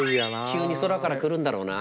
急に空から来るんだろうな。